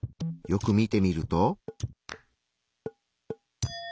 よく見てみると。